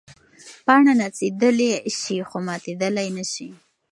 پاڼه نڅېدلی شي خو ماتېدلی نه شي.